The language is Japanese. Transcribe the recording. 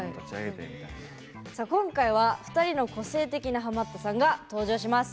今回は、２人の個性的なハマったさんが登場します。